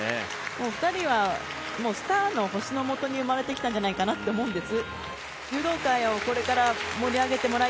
２人は、もうスターの星のもとに生まれてきたんじゃないかなと思うんです。